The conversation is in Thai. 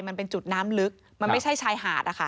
มันเป็นจุดน้ำลึกมันไม่ใช่ชายหาดนะคะ